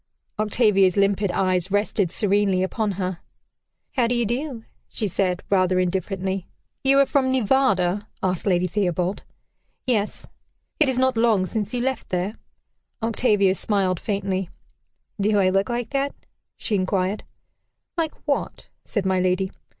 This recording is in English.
Octavia's limpid eyes rested serenely upon her. "How do you do?" she said, rather indifferently. "You are from Nevada?" asked Lady Theobald. "Yes." "It is not long since you left there?" Octavia smiled faintly. "Do I look like that?" she inquired. "Like what?" said my lady.